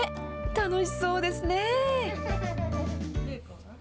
楽しそうですね。